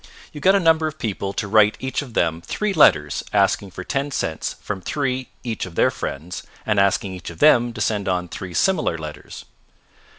You got a number of people to write each of them three letters asking for ten cents from three each of their friends and asking each of them to send on three similar letters.